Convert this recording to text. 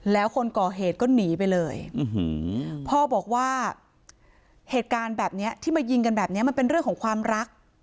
แล้วคนก่อเหตุก็หนีไปเลยพ่อบอกว่าเหตุการณ์แบบนี้ที่มายิงกันแบบนี้มันเป็นเรื่องของความรัก